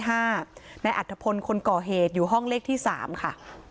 นายอัธพลคนก่อเหตุอยู่ห้องเลขที่๓ค่ะ